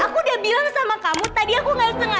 aku udah bilang sama kamu tadi aku gak sengaja